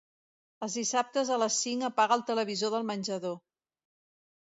Els dissabtes a les cinc apaga el televisor del menjador.